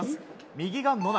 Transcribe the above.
右が野中。